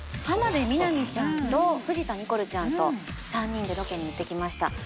浜辺美波ちゃんと藤田ニコルちゃんと３人でロケに行ってきました。